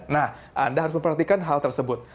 nah anda harus memperhatikan hal tersebut